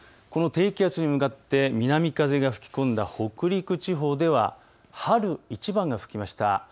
この低気圧に向かって南風が吹き込んだ北陸地方では春一番が吹きました。